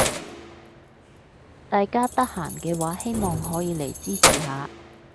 大家得閒嘅話希望可以嚟支持下